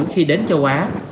khi đến châu á